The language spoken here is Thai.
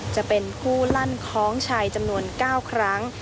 จะเป็นผู้ลั่นคล้องชายจำนวน๙ครั้ง